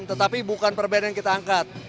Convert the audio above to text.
tetapi bukan perbedaan yang kita angkat